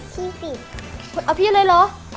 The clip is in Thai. พี่ปิ่นเอาพี่อะไรเหรอ